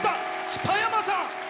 北山さん！